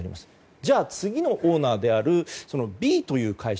じゃあ、次のオーナーであるＢという会社。